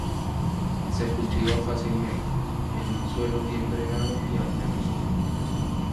Se cultiva fácilmente, en un suelo bien drenado y a pleno sol.